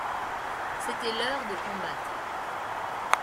C'était l'heure de combattre.